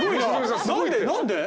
何で？